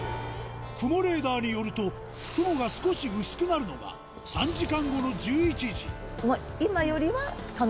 雲レーダーによると、雲が少し薄くなるのが３時間後の１１時。